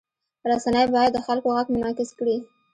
رسنۍ باید د خلکو غږ منعکس کړي.